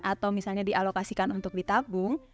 atau misalnya dialokasikan untuk ditabung